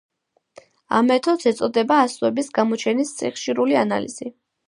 ამ მეთოდს ეწოდება ასოების გამოჩენის სიხშირული ანალიზი.